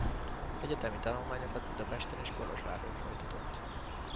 Egyetemi tanulmányokat Budapesten és Kolozsváron folytatott.